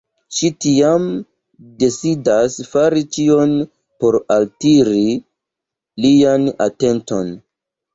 Ŝi tiam decidas fari ĉion por altiri lian atenton.